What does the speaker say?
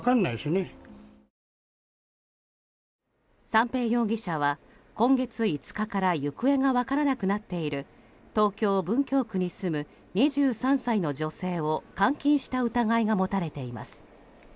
三瓶容疑者は今月５日から行方が分からなくなっている東京・文京区に住む２３歳の女性を監禁した疑いが持たれています。